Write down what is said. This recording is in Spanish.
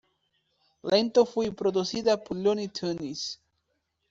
Lento fue producida por Luny Tunes.